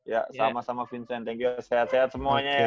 ya sama sama vincent thank you sehat sehat semuanya ya